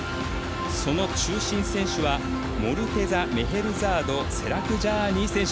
その中心選手はモルテザ・メヘルザードセラクジャーニー選手。